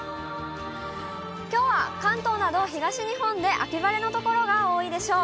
きょうは関東など東日本で秋晴れの所が多いでしょう。